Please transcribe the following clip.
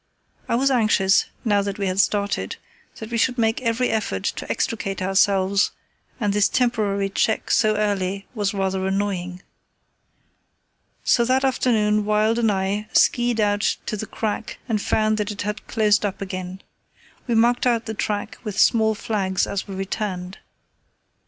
I was anxious, now that we had started, that we should make every effort to extricate ourselves, and this temporary check so early was rather annoying. So that afternoon Wild and I ski ed out to the crack and found that it had closed up again. We marked out the track with small flags as we returned.